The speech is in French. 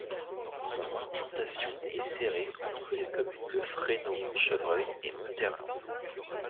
Son implantation est serrée entre les communes de Fresneaux-Montchevreuil et Montherlant.